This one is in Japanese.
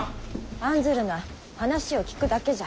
案ずるな話を聞くだけじゃ。